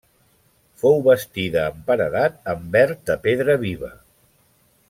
Fou bastida amb paredat en verd de pedra viva.